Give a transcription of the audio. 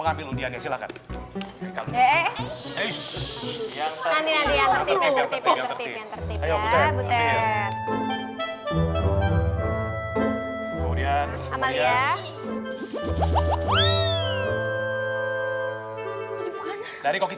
ambil undianya silakan eh eh eh eh eh eh eh eh eh eh eh eh eh eh eh eh eh eh eh eh eh eh